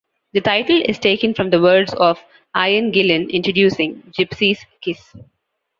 The title is taken from the words of Ian Gillan introducing "Gypsy's Kiss".